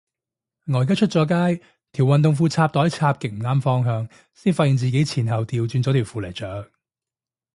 我而家出咗街，條運動褲插袋插極唔啱方向，先發現自己前後掉轉咗條褲嚟着